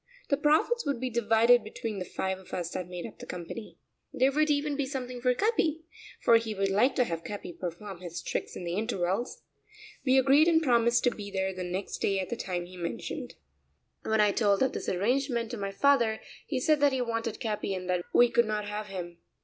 The profits would be divided between the five of us that made up the company. There would even be something for Capi, for he would like to have Capi perform his tricks in the intervals. We agreed and promised to be there the next day at the time he mentioned. When I told of this arrangement to my father he said that he wanted Capi and that we could not have him.